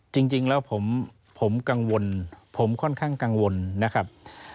จริงแล้วผมกังวลผมค่อนข้างกังวลนะครับ